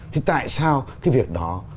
thì tại sao cái việc đó